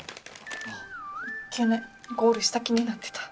いっけねゴールした気になってた。